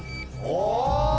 お。